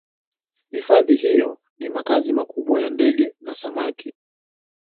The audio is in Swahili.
hifadhi hiyo ni makazi makuu ya ndege na samaki